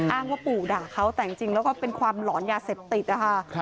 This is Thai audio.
อ้างว่าปู่ด่าเขาแต่จริงแล้วก็เป็นความหลอนยาเสพติดนะคะ